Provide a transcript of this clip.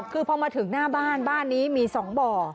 คือพอมาถึงหน้าบ้านบ้านนี้มี๒บ่อ